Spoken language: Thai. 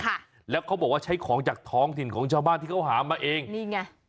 ค่ะแล้วเขาบอกว่าใช้ของจากท้องถิ่นของชาวบ้านที่เขาหามาเองนี่ไง